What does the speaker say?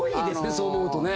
そう思うとね。